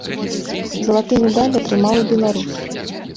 Залаты медаль атрымаў і беларус.